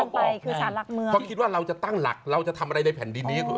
เพราะคิดว่าเราจะตั้งหลักเราจะทำอะไรในแผ่นดินนี้